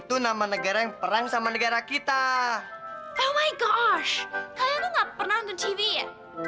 oh my gosh kalian tuh gak pernah nonton tv ya